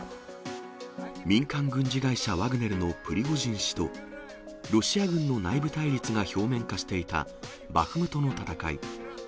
民間軍事会社ワグネルのプリゴジン氏と、ロシア軍の内部対立が表面化していたバフムトの戦い。